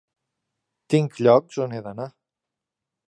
Tinc llocs on he d'anar.